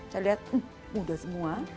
saya lihat muda semua